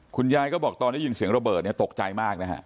คุณยายก็บอกตอนได้ยินเสียงระเบิดตกใจมากนะครับ